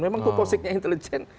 memang tuh posisinya intelijen